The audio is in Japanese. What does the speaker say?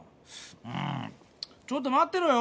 んちょっとまってろよ！